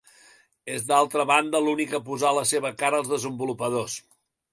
És d'altra banda l'únic a posar la seva cara als desenvolupadors.